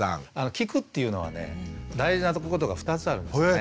聞くっていうのはね大事なことが２つあるんですね。